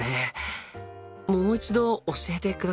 もう一度教えてください。